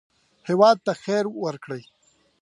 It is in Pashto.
هېواد ته خیر ورکړئ